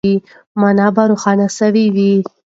مانا به روښانه سوې وي.